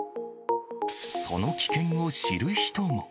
その危険を知る人も。